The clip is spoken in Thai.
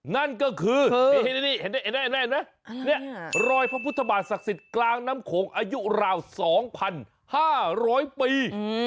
นั่นก็คือนี่เห็นไหมรอยพระพุทธบาทศักดิ์สิทธิ์กลางน้ำโขงอายุราว๒๕๐๐ปี